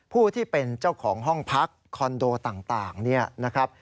ผู้ที่เป็นเจ้าของห้องพักคอนโดต่างเนี่ยนะครับ